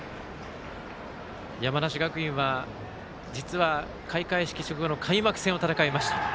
山梨学院は実は開会式直後に開幕戦を戦いました。